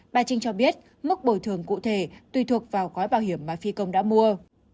bà trinh cho biết mức bồi thường cụ thể tùy thuộc vào gói bảo hiểm mà phi công đã mua